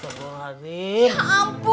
bener bener ya akang